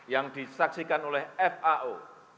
yang disaksikan oleh fao